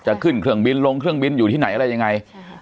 จะขึ้นเครื่องบินลงเครื่องบินอยู่ที่ไหนอะไรยังไง